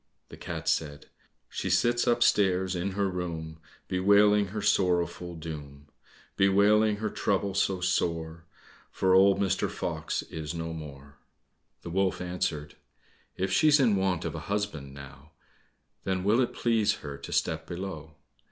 The cat said, "She sits upstairs in her room, Bewailing her sorrowful doom, Bewailing her trouble so sore, For old Mr. Fox is no more." The wolf answered, "If she's in want of a husband now, Then will it please her to step below?"